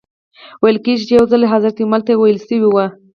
ویل کېږي یو ځل حضرت عمر ته ویل شوي و.